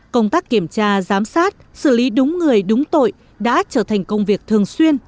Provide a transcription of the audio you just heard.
công tác kiểm tra giám sát xử lý đúng người đúng tội đã trở thành công việc thường xuyên